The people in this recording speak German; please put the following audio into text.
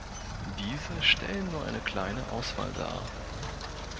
Diese stellen nur eine kleine Auswahl dar.